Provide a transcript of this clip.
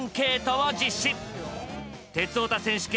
「鉄オタ選手権」